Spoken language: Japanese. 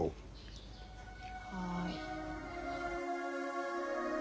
はい。